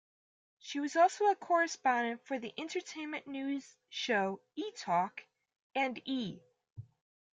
She was also a correspondent for the entertainment news show "etalk", and E!